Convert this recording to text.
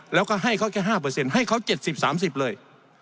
แล้วก็ให้เขาแค่๕ให้เขา๗๐๓๐เลย